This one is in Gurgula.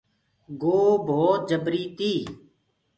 گو ڀوت جبري تي۔